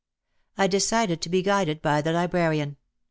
I decided to be guided by the librarian.